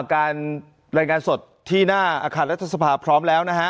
การรายงานสดที่หน้าอาคารรัฐสภาพพร้อมแล้วนะฮะ